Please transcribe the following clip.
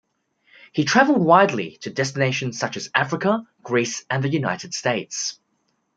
He travelled widely, to destinations such as Africa, Greece and the United States.